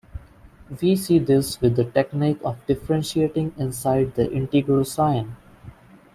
We see this with the technique of differentiating inside the integral sign.